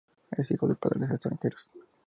Es hijo de padres extranjeros.